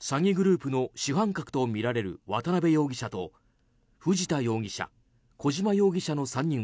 詐欺グループの主犯格とみられる渡邉容疑者と藤田容疑者、小島容疑者の３人は